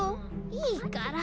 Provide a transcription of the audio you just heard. いいから。